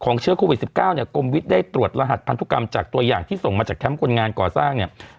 เชื้อโควิด๑๙เนี่ยกรมวิทย์ได้ตรวจรหัสพันธุกรรมจากตัวอย่างที่ส่งมาจากแคมป์คนงานก่อสร้างเนี่ย